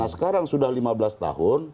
nah sekarang sudah lima belas tahun